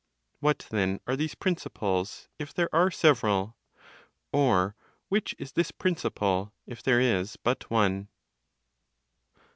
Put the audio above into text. What then are these principles, if there are several? Or which is this principle, if there is but one?